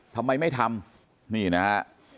ทำไมไม่ทำนี่นะฮะ